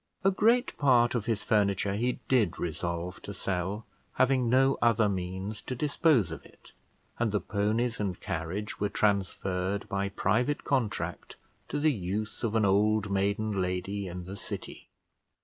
A great part of his furniture he did resolve to sell, having no other means to dispose of it; and the ponies and carriage were transferred, by private contract, to the use of an old maiden lady in the city.